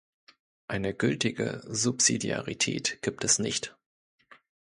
Eine gültige Subsidiarität gibt es nicht.